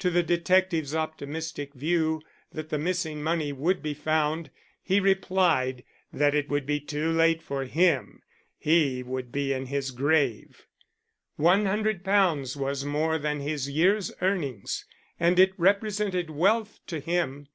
To the detective's optimistic view that the missing money would be found, he replied that it would be too late for him he would be in his grave. One hundred pounds was more than his year's earnings, and it represented wealth to him.